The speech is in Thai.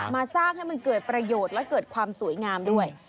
มาสร้างให้มันเกิดประโยชน์และเกิดความสวยงามด้วย